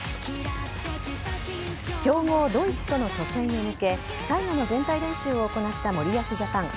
強豪・ドイツとの初戦へ向け最後の全体練習を行った森保ジャパン。